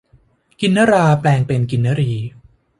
กินนราแปลงเป็นกินนรี